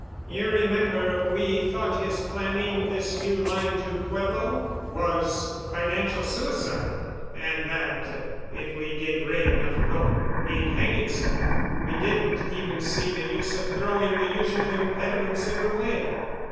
"You remember we thought his planning this new line to Pueblo was financial suicide and that, if we gave Wray enough rope, he'd hang himself. We didn't even see the use of throwing the usual impediments in the way."